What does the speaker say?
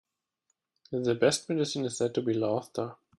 The best medicine is said to be laughter.